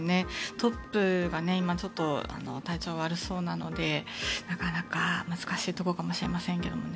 トップが今、ちょっと体調悪そうなのでなかなか、難しいところかもしれないですけどね。